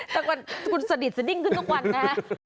แต่ก่อนคุณสดิดสดิ้งขึ้นทุกวันนะคะ